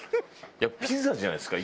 ピザじゃないですか？